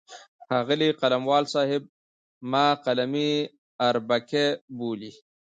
ښاغلی قلموال صاحب ما قلمي اربکی بولي.